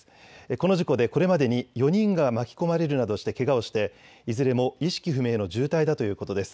この事故でこれまでに４人が巻き込まれるなどしてけがをしていずれも意識不明の重体だということです。